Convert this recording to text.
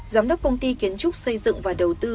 giám đốc công ty kiến trúc xây dựng và đầu tư